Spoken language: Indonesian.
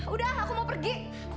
udah aku mau pergi